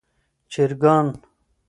چرګان